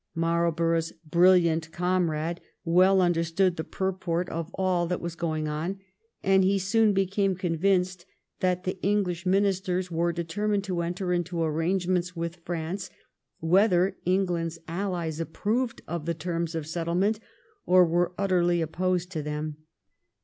Marlborough's brilliant comrade well understood the purport of all that was going on, and he soon became convinced that the English Ministers were determined to enter into arrangements with France whether England's Allies approved of the terms of settlement or were utterly opposed to them.